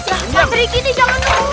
sering gini jangan